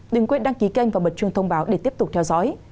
đừng quên đăng ký kênh và bật chuông thông báo để tiếp tục theo dõi